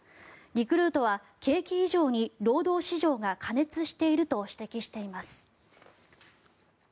リクルートは景気以上に労働市場が過熱していると指摘しています。